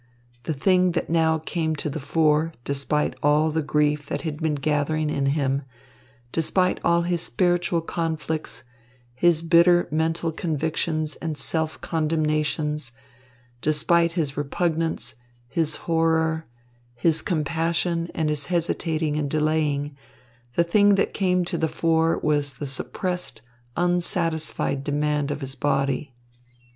The thing that now came to the fore, despite all the grief that had been gathering in him, despite all his spiritual conflicts, his bitter mental convictions and self condemnations, despite his repugnance, his horror, his compassion and his hesitating and delaying, the thing that came to the fore was the suppressed, unsatisfied demand of his body.